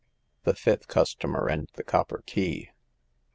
THE FIFTH CUSTOMER AND THE COPPER KEY.